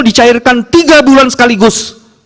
dicairkan tiga bulan sekaligus